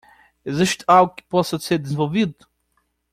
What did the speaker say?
Existe algo que possa ser desenvolvido?